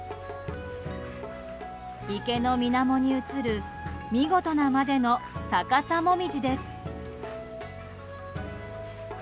池の水面に映る見事なまでの逆さモミジです。